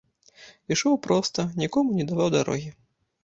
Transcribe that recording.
Ішоў проста, нікому не даваў дарогі.